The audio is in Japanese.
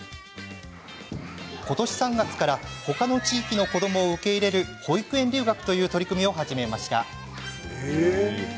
今年３月から他の地域の子どもを受け入れる保育園留学という取り組みを始めました。